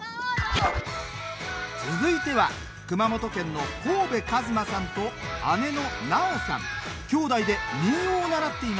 続いては熊本県の河邉和馬さんと姉の直央さん